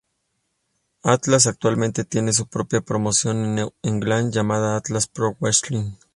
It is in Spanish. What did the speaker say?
Atlas actualmente tiene su propia promoción en New England llamada Atlas Pro Wrestling.